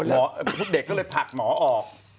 หมอพบเด็กก็เลยผลักหมอออก